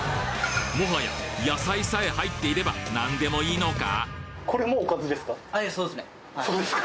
もはや野菜さえ入っていれば何でもいいのか？